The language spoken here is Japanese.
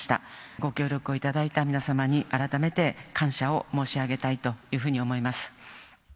ご協力を頂いた皆様に改めて感謝を申し上げたいというふうに思います。